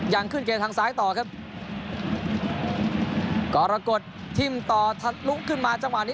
ยังขึ้นเกมทางซ้ายต่อครับกรกฎทิ่มต่อทะลุกขึ้นมาจังหวะนี้